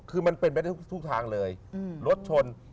คือมันเป็นไปได้ทุกทางเลยรถชน